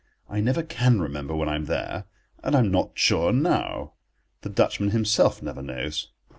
I never can remember when I'm there, and I am not sure now. The Dutchman himself never knows.